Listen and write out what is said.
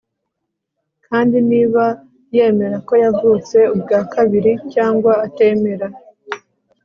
kandi niba yemera ko yavutse ubwa kabiri cyangwa atemera